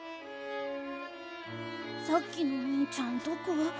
さっきのおにいちゃんどこ？